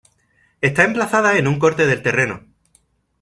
Está emplazada en un corte del terreno.